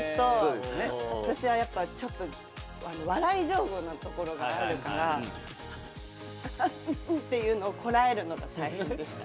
私はやっぱちょっと笑い上戸なところがあるから「あっうんうん！」っていうのをこらえるのが大変でした。